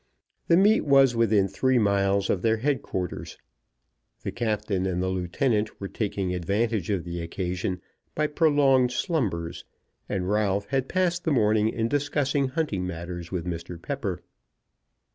The meet was within three miles of their head quarters; the captain and the lieutenant were taking advantage of the occasion by prolonged slumbers; and Ralph had passed the morning in discussing hunting matters with Mr. Pepper.